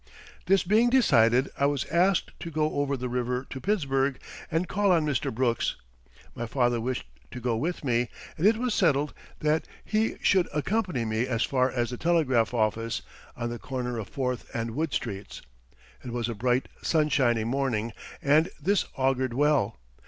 This being decided, I was asked to go over the river to Pittsburgh and call on Mr. Brooks. My father wished to go with me, and it was settled that he should accompany me as far as the telegraph office, on the corner of Fourth and Wood Streets. It was a bright, sunshiny morning and this augured well.